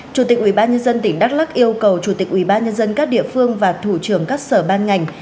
chủ tịch ubnd tỉnh đắk lắc yêu cầu chủ tịch ubnd các địa phương và thủ trưởng các sở ban ngành